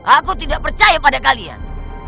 aku tidak percaya pada kalian